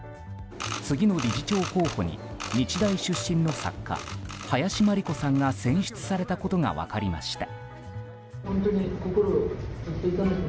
次の理事長候補に日大出身の作家林真理子さんが選出されたことが分かりました。